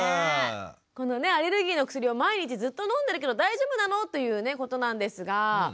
このアレルギーのお薬を毎日ずっと飲んでるけど大丈夫なの？ということなんですが。